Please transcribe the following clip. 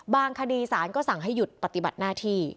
คดีสารก็สั่งให้หยุดปฏิบัติหน้าที่